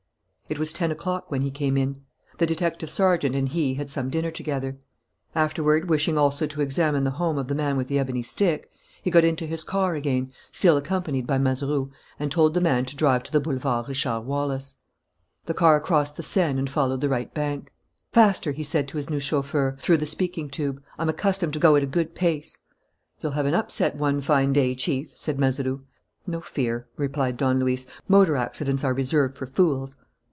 It was ten o'clock when he came in. The detective sergeant and he had some dinner together. Afterward, wishing also to examine the home of the man with the ebony stick, he got into his car again, still accompanied by Mazeroux, and told the man to drive to the Boulevard Richard Wallace. The car crossed the Seine and followed the right bank. "Faster," he said to his new chauffeur, through the speaking tube. "I'm accustomed to go at a good pace." "You'll have an upset one fine day, Chief," said Mazeroux. "No fear," replied Don Luis. "Motor accidents are reserved for fools."